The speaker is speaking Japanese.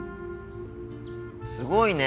すごいね！